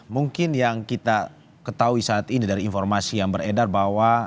mungkin yang kita ketahui saat ini dari informasi yang beredar bahwa